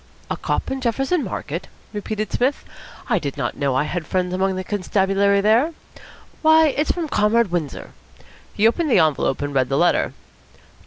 "A cop in Jefferson Market?" repeated Psmith. "I did not know I had friends among the constabulary there. Why, it's from Comrade Windsor." He opened the envelope and read the letter.